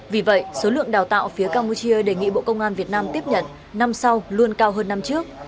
vì vậy số lượng đào tạo phía campuchia đề nghị bộ công an việt nam tiếp nhận năm sau luôn cao hơn năm trước